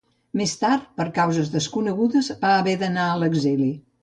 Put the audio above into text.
Més tard, per causes desconegudes, va haver d'anar a l'exili.